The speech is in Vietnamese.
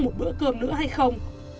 một bữa cơm nữa hay không